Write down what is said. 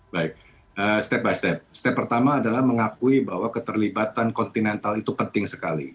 baik step by step step pertama adalah mengakui bahwa keterlibatan kontinental itu penting sekali